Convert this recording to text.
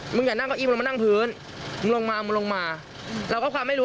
มึงอย่านั่งโก้ยมันมานั่งพื้นมึงลงมามันลงมาเราก็ความไม่รู้